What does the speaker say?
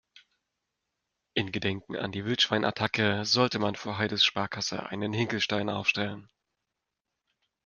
In Gedenken an die Wildschwein-Attacke sollte man vor Heides Sparkasse einen Hinkelstein aufstellen.